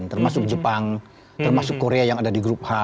termasuk jepang termasuk korea yang ada di grup h